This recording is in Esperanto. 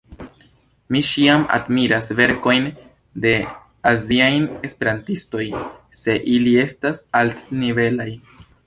Mi ĉiam admiras verkojn de aziaj esperantistoj, se ili estas altnivelaj.